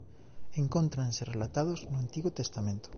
Encóntranse relatados no Antigo Testamento.